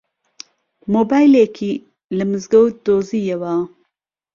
مۆبایلێکی لە مزگەوت دۆزییەوە.